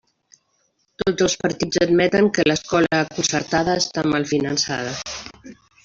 Tots els partits admeten que l'escola concertada està mal finançada.